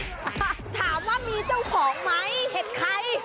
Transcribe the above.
ถามว่ามีเจ้าของไหมเห็นใคร